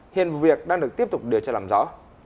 hiện vụ việc đang được tiếp tục điều tra làm rõ